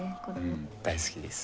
うん大好きです。